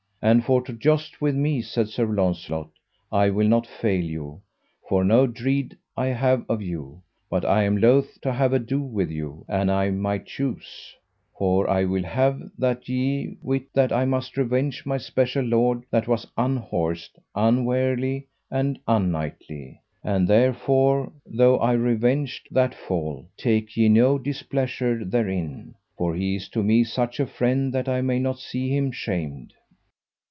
As for to joust with me, said Sir Launcelot, I will not fail you, for no dread I have of you; but I am loath to have ado with you an I might choose, for I will that ye wit that I must revenge my special lord that was unhorsed unwarly and unknightly. And therefore, though I revenged that fall, take ye no displeasure therein, for he is to me such a friend that I may not see him shamed.